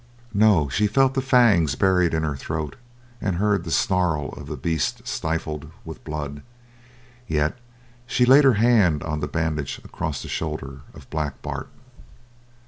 No, she felt the fangs buried in her throat and heard the snarl of the beast stifled with blood. Yet she laid her hand on the bandage across the shoulder of Black Bart.